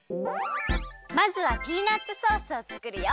まずはピーナツソースをつくるよ。